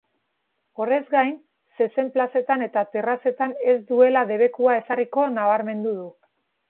Horrez gain, zezen plazetan eta terrazetan ez duela debekua ezarriko nabarmendu du.